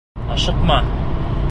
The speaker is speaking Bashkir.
Ашыҡма!